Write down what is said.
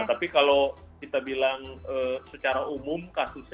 tapi kalau kita bilang secara umum kasusnya